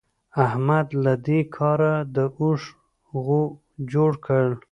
احمد له دې کاره د اوښ غوو جوړ کړل.